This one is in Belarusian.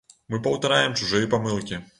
Мы паўтараем чужыя памылкі.